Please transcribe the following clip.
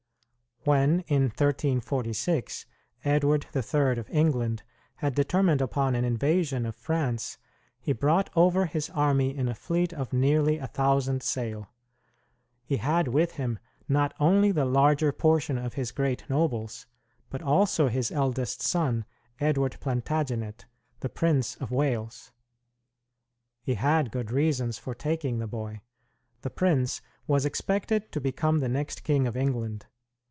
When, in 1346, Edward III of England had determined upon an invasion of France, he brought over his army in a fleet of nearly a thousand sail. He had with him not only the larger portion of his great nobles, but also his eldest son, Edward Plantagenet, the Prince of Wales. He had good reasons for taking the boy. The prince was expected to become the next King of England.